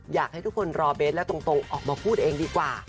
อยากให้ทุกคนรอเบสและตรงออกมาพูดเองดีกว่า